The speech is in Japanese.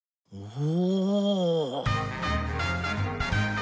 お？